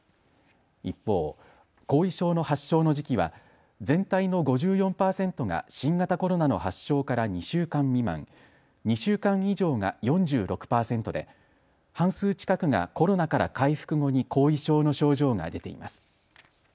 一方、後遺症の発症の時期は全体の５４％が新型コロナの発症から２週間未満、２週間以上が４６％で半数近くがコロナから回復後に後遺症の症状が出ています。